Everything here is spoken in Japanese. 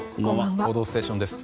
「報道ステーション」です。